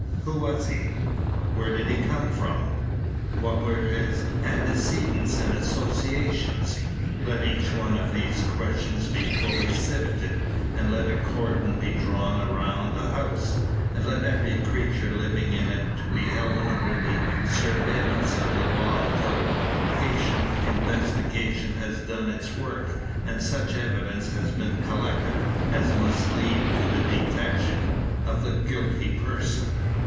Who was he? where did he come from? what were his antecedents and associations? Let each one of these questions be fully sifted, and let a cordon be drawn round the house, and let every creature living in it be held under the surveillance of the law until patient investigation has done its work, and such evidence has been collected as must lead to the detection of the guilty person."